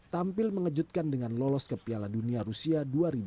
tampil mengejutkan dengan lolos ke piala dunia rusia dua ribu dua puluh